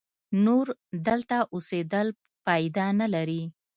نور دلته اوسېدل پایده نه لري.